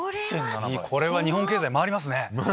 これは日本経済回りますね。